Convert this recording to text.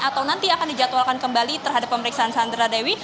atau nanti akan dijadwalkan kembali terhadap pemeriksaan sandra dewi